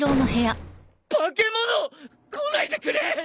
化け物！？来ないでくれ！